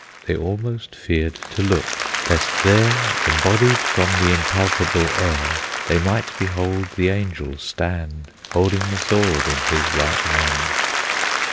They almost feared to look, lest there, Embodied from the impalpable air, They might behold the Angel stand, Holding the sword in his right hand.